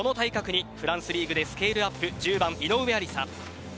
その対角にフランスリーグでスケールアップ１０番、井上愛里沙。